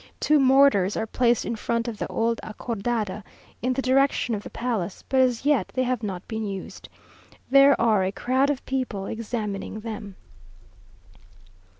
Two mortars are placed in front of the old Acordada, in the direction of the palace, but as yet they have not been used. There are a crowd of people examining them.